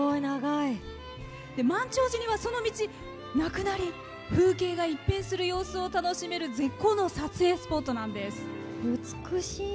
満潮時には、その道、なくなり風景が一変する様子を楽しめる絶好の撮影スポットなんです。